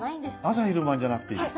朝昼晩じゃなくていいです。